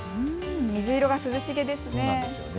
水色が涼しげですね。